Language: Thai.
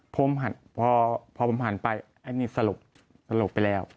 พอผมหันไปอันนี้สลบสลบไปแล้ว